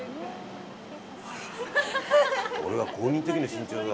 俺が高２の時の身長だ。